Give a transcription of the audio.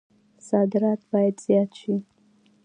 صادرات باید زیات شي